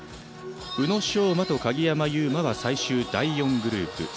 宇野昌磨と鍵山優真は最終第４グループ。